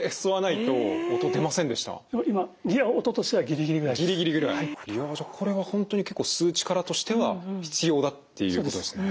いやじゃあこれは本当に結構吸う力としては必要だっていうことですね。